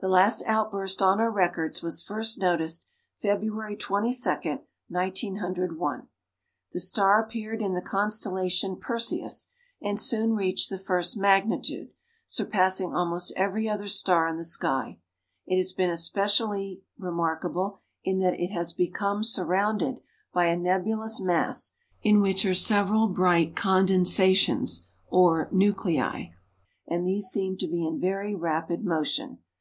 The last outburst on our records was first noticed February 22, 1901. The star appeared in the constellation Perseus, and soon reached the first magnitude, surpassing almost every other star in the sky. It has been especially remarkable in that it has become surrounded by a nebulous mass in which are several bright condensations or nuclei; and these seem to be in very rapid motion.